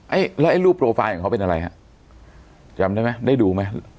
ไอ้แล้วไอ้รูปโปรไฟล์ของเขาเป็นอะไรฮะจำได้ไหมได้ดูไหม